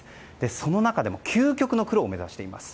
その中でも究極の黒を目指しています。